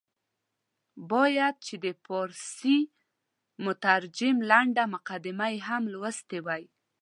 باید چې د فارسي مترجم لنډه مقدمه یې هم لوستې وای.